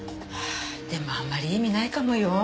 でもあんまり意味ないかもよ。